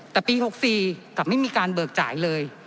แต่ปี๖๔กลับไม่มีการเบิกจ่ายเลย